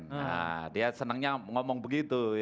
nah dia senangnya ngomong begitu